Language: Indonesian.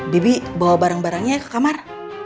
bibi bawa barang barangnya ke kamar